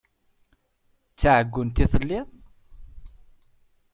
D taɛeggunt i telliḍ?